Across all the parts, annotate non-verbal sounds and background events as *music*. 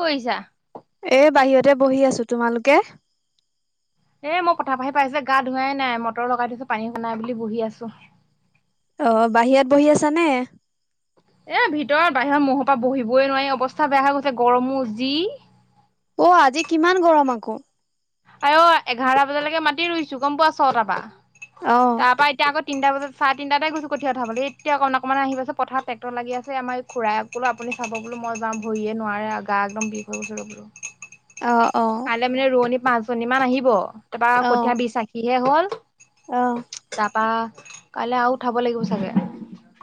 কৰিছা এ বাহিৰতে বহি আছো, তোমালোকে? এ মই পথাৰপা আহি পাইছোহে গা ধোৱাই নাই মটৰ লগাই থৈছো পানী নাই বুলি বহি আছো। অহ' বাহিৰত বহি আছা নে? এ ভিতৰত বাহিৰত মহৰ পৰা বহিবই নোৱাৰি অৱস্থা বেয়া হৈ গৈছে গৰমো যি। অ আজি কিমান গৰম আকৌ আই অ এঘাৰটা বজালৈকে মাতি ৰুইছো গম পোৱা ছটাৰ পা। অ তাৰ পৰা এতিয়া আকৌ তিনটা বজাত চাৰে তিনিটাতে গৈছো কঠিয়া উঠাবলে এতিয়া অকণ অকণমান আহি পাইছো পথাৰত টেক্টৰ লাগি আছে আমাৰ এই খুৰাইক বোলো আপুনি চাব বোলো মই যাম ভৰিয়ে নোৱাৰে গা একদম বিষ হৈ গৈছে বোলো। অ অ কাইলে মানে ৰোৱনী পাঁচ জনীমান আহিব তাৰপৰা অ কঠীয়া বি আসিহে হ'ল। অ তাৰপা কাইলৈ আৰু উঠাব লাগিব চাগে,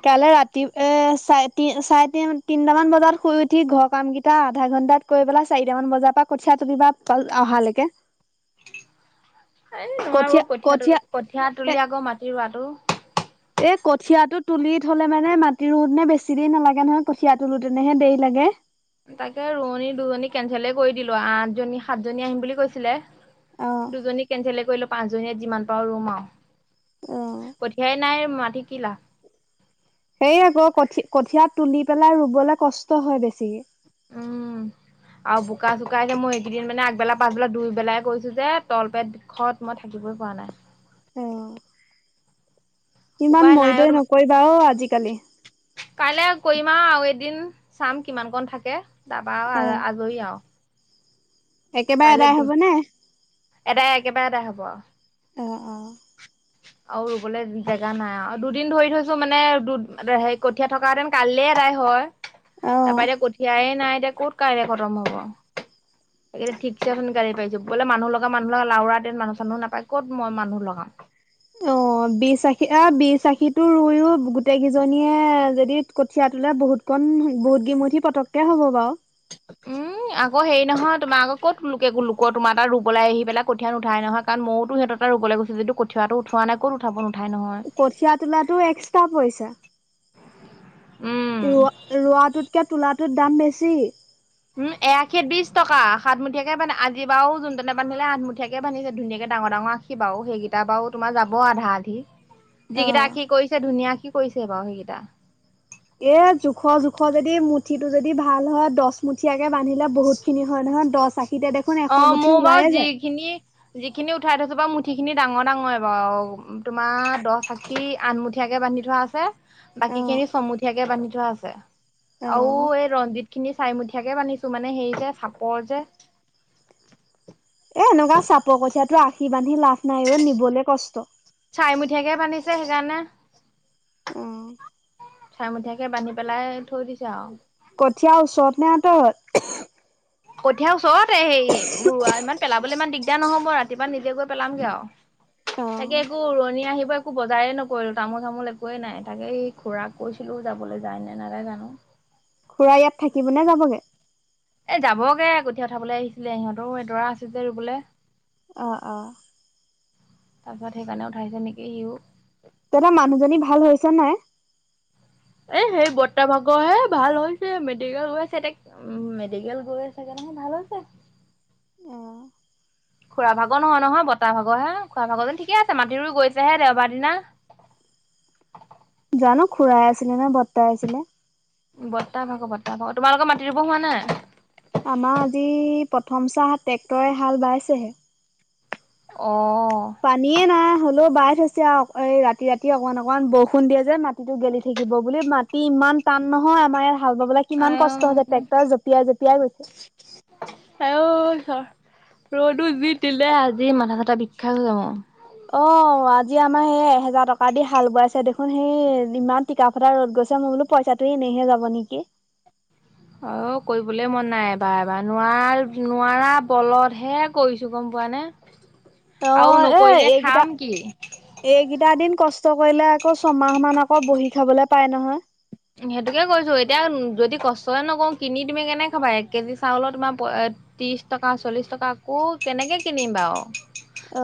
কাইলৈ ৰাতি এ চাৰে তি চাৰে তি তিনটামান বজাত শুই উঠি ঘৰ কাম কেইটা আধা ঘন্টাত, কৈ পেলা চাৰিটামান বজাৰ পৰা কঠিয়া তলিবা অহালৈকে। এ নোৱাৰো কঠীয়া কঠিয়া ত কঠীয়া কঠিয়া এ তুলি আকৌ মাটি ৰোৱাটো, এই কঠিয়াটো তুলি থ'লে মানে মাটি ৰোতেনে বেছি দেৰি নালাগে নহয়, কঠিয়া তোঁলোতেনেহে দেৰি লাগে। তাকে ৰোৱনী দুজনী কেনচেলে কৰি দিলো আঠজনী সাতজনী আহিম বুলি কৈছিলে। অ দুজনী কেনচেলে কৰিলো পাঁচজনীয়ে যিমান পাওঁ ৰুম আৰু। অ কঠিয়াই নাই মাতি কি লাভ। সেইয়াই আকৌ কঠ কঠিয়া তুলি পেলাই ৰুবলৈ কষ্ট হয় বেছিকে। উম। *unintelligible* আৰু বোকা চোকােই মই এইকেইদিন মানে আগবেলা পাচবেলা দুইবেলাই গৈছো যে তলপেট। বিষত মই থাকিবই পোৱা নাই। অ ইমান উপায় নাই মইতই নকৰিবা অ আজিকালি। কাইলৈ কৰিম আৰু আৰু এদিন চাম কিমান কন থাকে তাৰপা অ আজৰি আও। একেবাৰে কাইলৈ এদাই দিম হবনে? এদায় একেবাৰে এদায় হব। অহঁ, অঁহ। আও ৰুবলে জেগা নাই আৰু দুদিন ধৰি থৈছো মানে দু হে কঠিয়াত। থকা হেতেন কালিলে এদায় হয় অঁ। তাৰপা এতিয়া কঠিয়াইে নাই এতিয়া ক'ত কাইলে খতম হ'ব। এইকেইদিন ঠিকছে ওথনি গালি পাৰিছে বলা মানুহ লগা মানুহ লগা লাৱৰা মানুহ চানুহ নাপাই কত মই মানুহ লগাম। অ বি আখী অ বি আখীটো ৰুইও গোটেই কেইজনীয়ে যদি কঠিয়া তোলে বহুত। অকণ বহুত গেমঠি পতককে হ'ব বাও। *unintelligible* উম আকৌ হেৰি নহয় তোমাৰ আক কত লোকে লোক তোমাৰ তাত ৰুবলে আহি পেলাই কঠিয়া নোঠাই নহয়। কাৰণ ময়োটো সেতে তাত ৰুবলে গৈছো যিটো কঠাটো উঠোৱা নাই ক'ত ওলাব নহয় নঠাই নহয়। কঠিয়া তোলা এক্সট্ৰা পইচা। উম ৰোৱা ৰোৱাটোতকে তোলাটোত দাম বেছি। উম এ আশী বিশছ টকা সাতমুঠিয়াকে বান্ধে আজি বাও যোনজনে বান্ধিলে সাতমুঠিয়াকে বান্ধিছে ধুনীয়াকে ডাঙৰ ডাঙৰ আছে। কি বাও সেইকেইটা বাৰু তোমাৰ যাব আধা আধি। অ যিকেইটা আশী কৰিছে ধুনীয়া আশী কৰিছে বাৰু সেইকেইটা। এ জোখৰ জোখৰ যদি মুঠিটো যদি ভাল হয় দচ। মুঠিয়াকে বান্ধিলে বহুত খিনি হয় নহয় দহ আশীতে দেখোন এশ মুঠি ওলায়ে যায়। খিনি যিখিনি উঠাই থৈছো বাৰু মুঠি খিনি ডাঙৰ ডাঙৰ বাৰু তোমাৰ দহ আ। শি আঠমুঠিয়াকে বান্ধি থোৱা আছে। অ বাকী খিনি চমুতীয়াকে বান্ধি থোৱা আছে আৰু অ এই ৰঞ্জিত খিনি চাৰিমুঠিয়াকে বান্ধিছো মানে সেই যে চাপৰ যে। এ এনেকুৱা চাপৰ কঠিয়াতো আশী বান্ধি লাভ নাই ও নিবলে কষ্ট। চাইমঠিয়াকে বান্ধিছে সেইকাৰণে। অহ। চাইমঠিয়াকে বান্ধি পেলাই থৈ দিছে আও। কঠীয়াৰ ওচৰত নে আঁতৰত। কঠীয়াৰ ওচৰত হেৰি ৰুৱা ইমান পেলাবলৈ ইমান দিগ দাৰ নহ'ব ৰাতিপুৱা নিজে গৈ পেলাম গৈ আও অ তাকে একো ৰোৱনী আহিব। একো বজাৰেই নকৰিলোঁ তামোল চামোল একোৱ নাই তাকেই এই খুৰাক কৈছিলোঁ। যাবলৈ যায়নে নাযায় জানো। খুৰা ইয়াত থাকিব নে যাবগে। এ যাবগে কঠীয়া উঠাবলে আহিছিলে সিহঁতৰ এডৰা আছে যে ৰুবলে অ অ তাৰপিছত সেইকাৰণে উঠাইছে নেকি সিও তেত মানুহজনী ভাল হৈছে নাই। এ সেই বৰটা ভাগৰ হে ভাল হৈছে মেডিকেল গৈ আছে এতেক, উ মেডিকেল গৈয়ে আছে যান অ ভাল হৈছে। অ খুৰা ভাগৰ নহয়, নহয় বতাহ ভাগৰ হে খুৰা ভাগৰ যেন ঠিক আছে। মাটি ৰুই গৈছেহে দেওবাৰ দিনা। যান খুৰাই আছিলে নেয বৰদেউতাই আছিলে। বৰদেউতাহ ভাগৰ বৰদেউতাহ ভাগ তোমালোকৰ মাটি ৰুব হোৱা নাই। আমাৰ আজি প্ৰথম চাহ ট্ৰেক্টৰে হাল বাইছেহে। অহ। পানীয়ে নাই হ'লেও বাই থৈছে আও এই ৰাতি ৰাতি অকমান অকমান বৰষুণ দিয়ে যে মা, মাটি গেলি থাকিব বুলি মাটি ইমান টান নহয় আমাৰ ইয়াত হাল বাবলে। কিমান আইঐ। কষ্ট হৈছে ট্ৰেক্টৰ জপিয়াই জপিয়াই গৈছে। আ ঐ ঈচৰ। ৰদো যি দিলে আজি মাথা চাথা বিখাই গৈছে মোৰ। অ আজি আমাৰ সেই এহেজাৰ টকা দি হাল বোৱাইছে দেখোন সেই ইমান। টিকা ফটা ৰ'দ গৈছে মই বোলো পইচাটো এনেহে যাব নেকি। অ কৰিবলৈ মন নাই এবাৰ এবাৰ নোৱাৰা নোৱাৰা বলতহে কৰিছো গম পোৱা নে। *inaudible* আৰু এ নকৰিলে এইকেইটা খাম কি? এইকেইটা দিন কষ্ট কৰিলে আকৌ ছমাহ মান আকৌ বহি খাবলে পাই নহয়। সেইটোকে কৈছো এতিয়া যদি কষ্টয়ে নকৰওঁ কিনি তুমি কেনেক খাবা এক কেজি চাউলত তোমাৰ ত্ৰিশ টকা চল্লিশ টকা আকৌ কেনেকে কিনিম বাও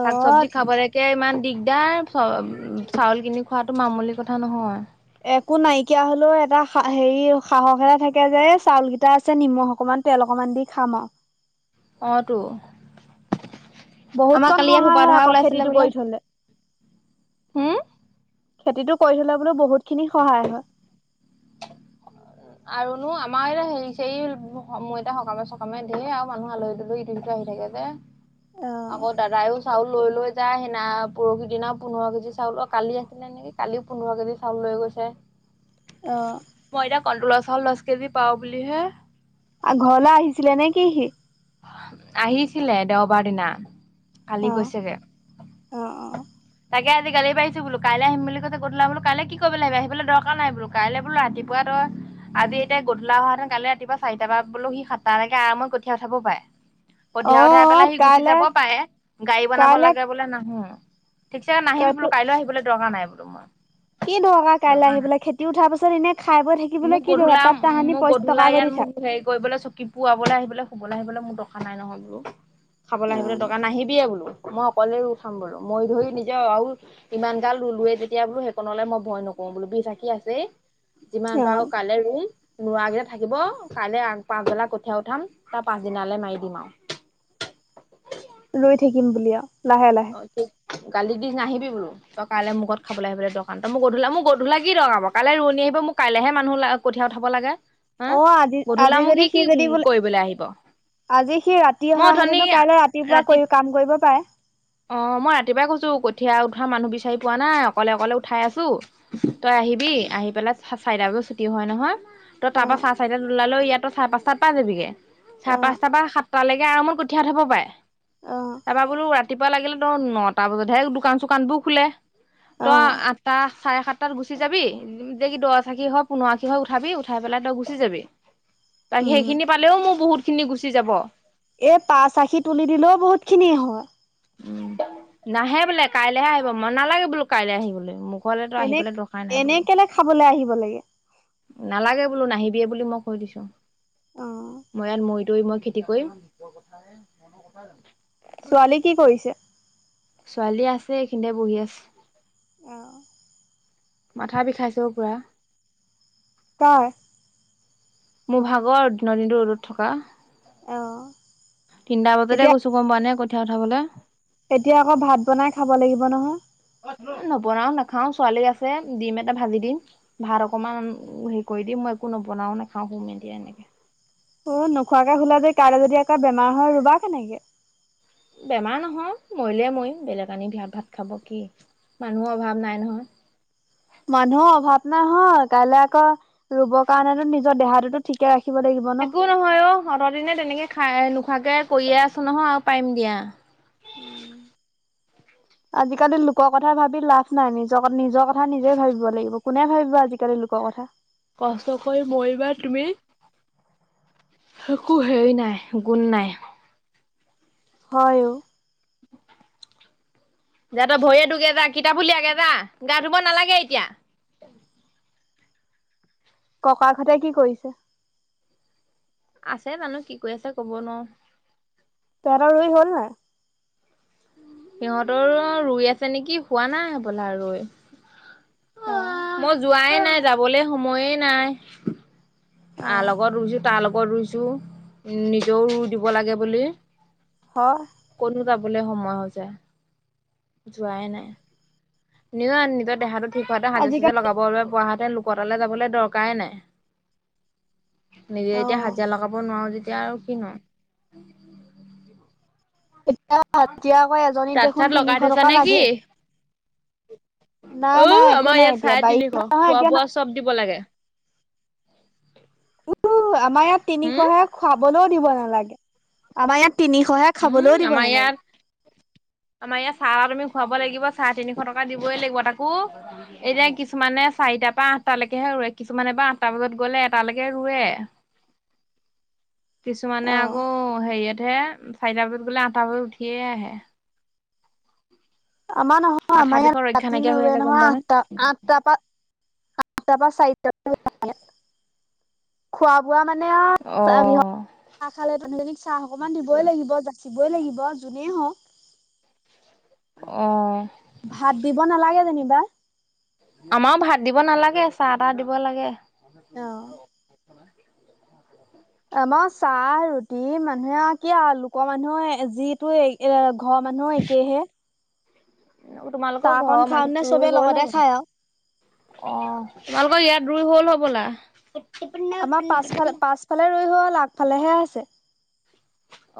শাক চবজি খাবলে। শাকে ইমান দিগদাৰ চাউল কিনি খোৱাটো মামলি কথা নহয়। একো নাইকিয়া হলেও এটা হেৰি সাহস এটা থাকে যে চাউল কেইটা আছে নিমখ অকমান। তেল অকণমান দি খাম আৰু অটো, বহুত কন সহায় হয় আকৌ খেতিটো কৰি থলে। হুম? খেতিটো কৰি থলে বোলো বহুত খিনি সহায় হয়। আৰুনো আমাৰ এতিয়া হেৰিছে এই সময় এতিটা সকামে চকামে দিয়ে আৰু মানুহ আলহী, আহি থাকে যে অ' আকৌ দাদায়ও চাউল লৈ লৈ, যাই সিদিনা পৰহি দিনা পোন্ধৰ কেজি চাউল অ কালি আছিলে নেকি কালিও পোন্ধৰ কেজি চাউল লৈ গৈছে। অহ, মই এতিয়া কন তলৰ চাউল দহ কেজি পাওঁ বুলিহে। আ ঘৰ লে আহিছিলে নেকি সি। আহিছিলে দেওবাৰ দিনা। কালি অ' গৈছেগে অ' তা আজি গালি পাৰিছো বোলো কাইলৈ আমহিম বুলি কইলৈ বোলো কি কৰিবলৈ দকাৰ নাই বোলো কাইলৈ বোলো ৰাতিপুৱাটো। আজি এতিয়া গধূলা অহা হেতেন কালি ৰাতিপুৱা চাৰিটা বোলেও সি সাতটালৈকে আৰামত কঠিয় উঠাব পায়। অ' কঠিয়া উথাই অ' পেলাই সি গুচি কাইলৈ যাব পাৰে গাড়ী বনাব কাইলৈ লাগে বোলে নাহো। ঠিকছেগে নাহিবি বোলো কাইলৈ আহিবলৈ দৰকাৰ নাই বোলো মই, কি দৰকা কাইলৈ দৰকাৰ আহি নাই। বলে খেতি উঠাৰ পিছত এনে খাই বৈ থাকে, মোক গধূলা মোক গধূলা ইয়াত থাক মোক হেৰি কৰিবলৈ চকী, পুৱাবলৈ আহিবলৈ শুবলৈ আহিবলৈ মোৰ দৰকাৰ নাই নহয় বোলো খাবলৈ আহিবলৈ দৰকাৰ নাহিবিয়ে বোলো। মই অকলে উঠাম বোলো মৰি ধৰি নিজৰ আৰু ইমান গাল ৰুলোৱে যেতিয়া বোলো সেইকণলে মই ভয় নকৰো বোলো বিশ আশী আছেই। যিমান অ পাৰো কাইলৈ ৰুম, নোৱাৰকেইটা থাকিব কাইলৈ আগ পাচবেলা কঠীয়া উঠাম তাৰ পাছ দিনালৈ মাৰি দিম আৰু ৰৈ থাকিম বুলি আৰু লাহে লাহে। অ গালি দি নাহিবি বোলো। তই কাইলে মুঘৰত খাবলৈ আহিবলৈ দকাৰ নাই। তই মোক গধূলা, মোক গধূলা কি দৰকাৰ বাৰু। কাইলৈ ৰোৱণী আহিব মোৰ কাইলেহে মানুহ কঠিয়া উঠাব লাগে। হা অ গধূলা আজি-আজি মোক যদি সি কি যদি বোলে কৰিবলৈ আহিব আজি সি ৰাতি মই অথনি অহাহেঁতেনো কাইলৈ ৰাতিপুৱা ৰাতি কৰি কাম কৰিব পাৰে। অ মই ৰাতিপুৱাই কৈছো কঠীয়াা উঠোৱা মানুহ বিচাৰি পোৱা নাই অকলে অকলে উঠাই আছো। তই আহিবি আহি পেলাই চাৰিটা বজাত ছুটি হয় নহয়। তই অ তাৰ পৰা চাৰে চাৰিটাত ওলালেও ইয়াত তই চাৰে পাচ তাত পাই যাবিগে। অ চাৰে পাঁচটাৰ পা সাতটালৈকে আৰামত কঠিয়া উঠাব পাৰে। অ তাৰপৰা বোলো ৰাতিপুৱা লাগিলে তোৰ নটা বজাতহে দোকান চোকান বোৰ খোলে। অ তই আঠটা চাৰে সাতটাত গুচি যাবি। যে কি দহ আশী হয় পোন্ধৰ আশী হয় উঠাবি, উঠাই পেলাই তই গুচি যাবি। *inaudible* তাক সেইখিনি পালেও মোৰ বহুত খিনি গুচি যাব। এই পাচ আখি তুলি দিলেও বহুত খিনিয়ে হয়। নাহে বোলে কাইলৈহে আহিব, মই নালাগে বোলো কাইলৈ আহিবলৈ মোক। এনে, এনে কেলে খাবলৈ আহিব লাগে। নালাগে বোলো, নাহিবিয়ে বুলি মই কৈ দিছো। অ মই ইয়াত মৰি দৈ মই খেতি কৰিম। বৰ বৰ কথাহে মনৰ কথা জানো। ছোৱালী কি কৰিছে? ছোৱালী আছে এইখিনিতে বহি আছে। অহ। মাথা বিষাইছেও পুৰা। কাৰ? মোৰ ভাগৰ, দিনৰ দিনটো ৰ'দত থকা। অ তিনটা বজাতে এতিয়া গৈছো। গম পুৱানে কঠীয়া উঠাবলৈ। এতিয়া আকৌ ভাত বনাই খাব লাগিব নহয়। নবনাও নাখাও, ছোৱালী আছে ডিম এটা ভাজি দিম। ভাত অকমান হেৰি কৰি দিম। মই একো নবনাও নাখাও। সুম এতিয়া এনেকে। অ নোখোৱাকে সুলে যে কাইলে যদি আকৌ বেমাৰ হয় ৰুবা কেনেকে? বেমাৰ নহয়, মৰিলেই মৰিম বেলেগ আনি দিয়া ভাত খাব কি? মানুহৰ অভাৱ নাই নহয়। মানুহৰ অভাৱ নাই হয়। কাইলে আকৌ ৰুবৰ কাৰণেতো নিজৰ দেহাটোতো ঠিকে ৰাখিব লাগিব। ন। একো নহয় অ। অ'ত দিনে তেনেকে খাই নোখোৱাকে কৰিয়ে আছো নহয় আৰু পাৰিম দিয়া। উম। আজিকালি লোকৰ কথা ভাবি লাভ নাই। নিজৰ ক নিজৰ কথা নিজে ভাবিব লাগিব। কোনে ভাবিব আজিকালি লোকৰ কথা? কষ্ট কৰি মৰিবা তুমি একো হেৰি নাই গুণ নাই। হয় অ। যা তই ভৰি হাত ঢুগে যা। কিতাপ উলিয়াগে যা, গা ধুব নালাগে এতিয়া। ককাকহতে কি কৰিছে? আছে জানো কি কৰি আছে ক'ব নোৱাৰো? তহঁতৰ ৰুই হ'ল নাই? সিহঁতৰ ৰুই আছে নেকি, হোৱা নাই হবলা ৰুই। অ' মই যোৱাই নাই, যাবলৈ সময়ে নাই। আৰ অ' লগত ৰুইছো, তাৰ লগত ৰুইছো, নিজেও ৰুই দিব লাগে বুলি। হয়। কতনো যাবলে সময় হৈ যায়। যোৱাই নাই, নিজ নিজৰ দেহাটোত ঠিক হতে হাজিৰা আজিকালি চাজিৰা লগাব পৰা হেঁতেন, লোকৰ তালে যাবলৈ দৰকাৰে নাই। নিজে এতিয়া অ' হাজিৰা লগাব নোৱাৰো যেতিয়া আৰু কি নো। এতিয়া হাজিয়া আকৌ এজনীক দেখোন তিনিশ টকা লাগে। উ! নাই একো আমাৰ নাই ইয়াত এতিয়া চাৰে তিনিশ, বাৰিষা নহয় খোৱা এতিয়া -বোৱা চব দিব লাগে। আমাৰ ইয়াত উম তিনিশহে, খুৱাবলৈও দিব নালাগে। আমাৰ ইয়াত তিনিশহে, উম খাবলৈও দিব আমাৰ নেলাগে। ইয়াত আমাৰ ইয়াত, চাহ তুমি খুৱাব লাগিব, চাৰে তিনিশ টকা দিবই লাগিব। তাকো এতিয়া কিছুমানে, চাৰিটাৰ পৰা আঠটালৈকেহে ৰোৱে। কিছুমানে বা আঠটা বজাত গ'লে এটালৈকে ৰোৱে। *inaudible* কিছুমানে, অ আকৌ হেৰিয়তহে, চাৰিটা বজাত গ'লে, আঠটা বজাত উঠিয়ে আহে। আমাৰ নহয়। মাথা আমাৰ বিষৰ ইয়াত ৰক্ষা ৰাতি নাইকিয়া হৈ নোৰোৱে আছে গম নহয়। পোৱা নে? আঠটা, আঠ *unintelligible* খোৱা -বোৱা মানে, অ' অ', *unintelligible* চাহ খালে, মানুহকেইজনীক চাহ অকমান দিবই লাগিব। যাচিবই লাগিব, যোনেই হওঁক। অ'! ভাত দিব নালাগে যেনিবা। আমাৰো ভাত দিব নালাগে। চাহ- তাহ দিব লাগে। অ *inaudible* আমাৰো চাহ, ৰুটি মানুহে আৰু কি আৰু লোকৰ মানুহৰ যিটোৱে এ, ঘৰৰ মানুহো একেইহে। তোমালোকৰ চাহকণ ঘৰৰ খাওঁতে *unintelligible* চবে ৰোই গ'ল লগতে হ'বলা? খাই আৰু অ'! তোমালোকৰ ইয়াত ৰুই হ'ল হ'বলা? সেইফালে ৰোই হ'ল, আগফালেহে আছে।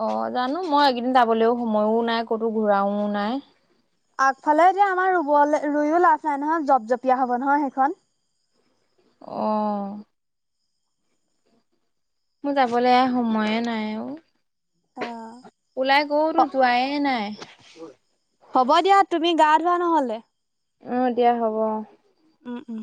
অ'! জানোঁ, মই এইকেইদিন যাবলৈও সময়ো নাই, ক'তো ঘূৰাও নাই। আগফালে এতিয়া আমাৰ ৰোবলে, ৰোইয়ো লাভ নাই নহয়! জপজপীয়া হ'ব নহয়, সেইখন। অ'! মোৰ যাবলে সময়ে নাই অ'! অ'! ওলাই গ'ল, যোৱাই নাই। হ'ব দিয়া! তুমি গা ধোৱা নহ'লে। উম, দিয়া হ'ব। উম! উম!